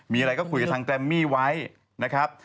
มีอะไรก็คุยกับทางแกรมมี่ไว้นะครับ